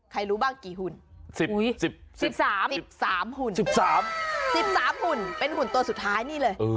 ใครรู้บ้างกี่หุ่น๑๓หุ่นเป็นหุ่นตัวสุดท้ายนี่เลย